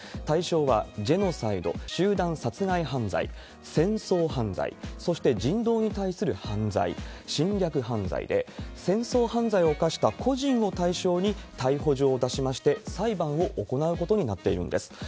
対象はジェノサイド・集団殺害犯罪、戦争犯罪、そして人道に対する犯罪、侵略犯罪で、戦争犯罪を犯した個人を対象に逮捕状を出しまして、裁判を行うことになっているんです。